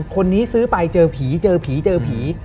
คนนี้ซื้อไปเจอผีเจอผีเจอผี